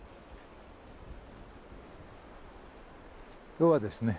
今日はですね